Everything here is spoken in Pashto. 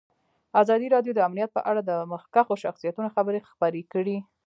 ازادي راډیو د امنیت په اړه د مخکښو شخصیتونو خبرې خپرې کړي.